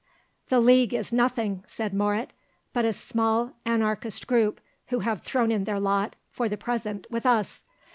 "The League is nothing," said Moret, "but a small anarchist group, who have thrown in their lot, for the present, with us.